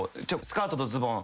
スカートとズボン